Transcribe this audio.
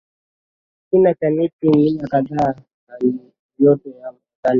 kina cha mita mia kadhaa Halijoto ya wastani ya